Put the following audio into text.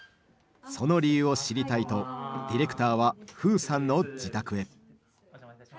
その理由を知りたいとディレクターはｆｕｕｕさんの自宅へ。